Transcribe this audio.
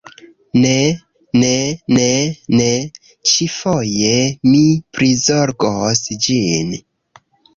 Ne, ne, ne, ne. Ĉi-foje mi prizorgos ĝin.